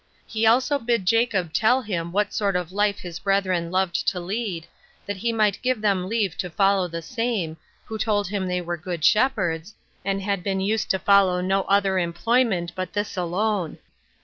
He also bid Joseph tell him what sort of life his brethren loved to lead, that he might give them leave to follow the same, who told him they were good shepherds, and had been used to follow no other employment but this alone.